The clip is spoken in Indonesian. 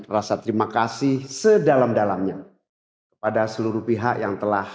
rasa terima kasih sedalam dalamnya kepada seluruh pihak yang telah